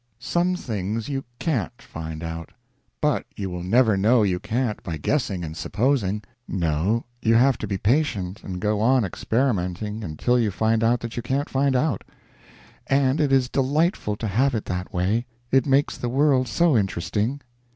Some things you can't find out; but you will never know you can't by guessing and supposing: no, you have to be patient and go on experimenting until you find out that you can't find out. And it is delightful to have it that way, it makes the world so interesting.